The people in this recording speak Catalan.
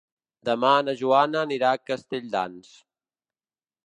Demà na Joana anirà a Castelldans.